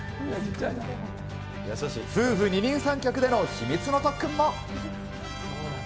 夫婦二人三脚での秘密の特訓も。